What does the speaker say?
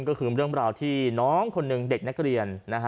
ก็คือเรื่องราวที่น้องคนหนึ่งเด็กนักเรียนนะฮะ